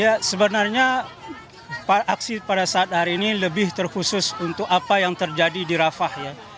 ya sebenarnya aksi pada saat hari ini lebih terkhusus untuk apa yang terjadi di rafah ya